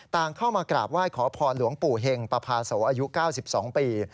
เข้ามากราบไหว้ขอพรหลวงปู่เห็งปภาโสอายุ๙๒ปี